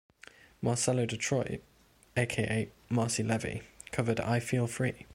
Marcella Detroit, aka Marcy Levy, covered "I Feel Free".